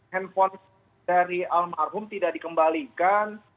handphone dari almarhum tidak dikembalikan